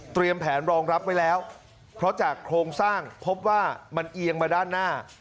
แผนรองรับไว้แล้วเพราะจากโครงสร้างพบว่ามันเอียงมาด้านหน้า